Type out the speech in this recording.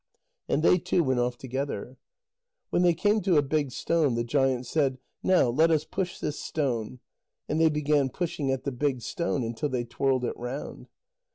And they two went off together. When they came to a big stone, the giant said: "Now let us push this stone." And they began pushing at the big stone until they twirled it round.